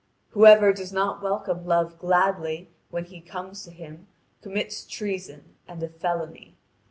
Whoever does not welcome Love gladly, when he comes to him, commits treason and a felony.